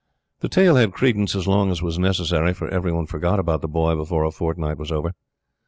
The tale had credence as long as was necessary, for every one forgot about The Boy before a fortnight was over.